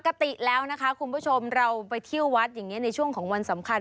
ปกติแล้วนะคะคุณผู้ชมเราไปเที่ยววัดอย่างนี้ในช่วงของวันสำคัญ